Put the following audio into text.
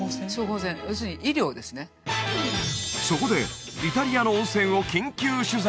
そこでイタリアの温泉を緊急取材！